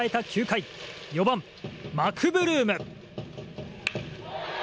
９回４番、マクブルーム。